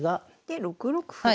で６六歩。